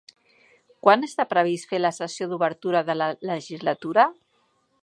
Quan està previst fer la sessió d'obertura de la legislatura?